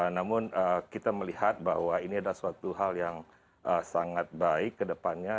namun kita melihat bahwa ini adalah suatu hal yang sangat baik ke depannya